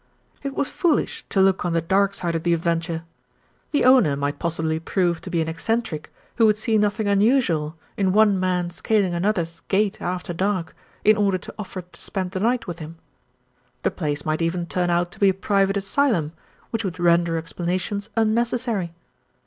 It was foolish to look on the dark side of the ad venture. The owner might possibly prove to be an eccentric, who would see nothing unusual in one man scaling another's gate after dark, in order to offer to spend the night with him. The place might even turn out to be a private asylum, which would render explanations unnecessary.